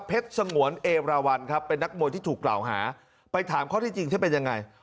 สงวนเอราวันครับเป็นนักมวยที่ถูกกล่าวหาไปถามข้อที่จริงที่เป็นยังไง